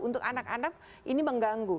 untuk anak anak ini mengganggu